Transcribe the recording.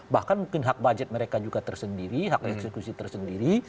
bahkan mungkin hak budget mereka juga tersendiri hak eksekusi tersendiri